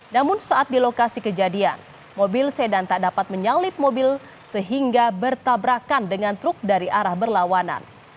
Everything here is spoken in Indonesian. namun saat di lokasi kejadian mobil sedan tak dapat menyalip mobil sehingga bertabrakan dengan truk dari arah berlawanan